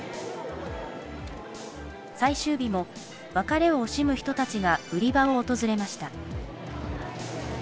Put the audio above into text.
最終日も、別れを惜しむ人たちが売り場を訪れました。